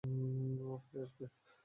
ও ফিরে আসবে।